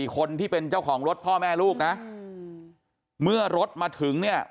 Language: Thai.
คนที่เป็นเจ้าของรถพ่อแม่ลูกนะเมื่อรถมาถึงเนี่ย